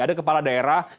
ada kepala daerah